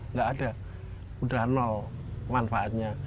nggak ada udah nol manfaatnya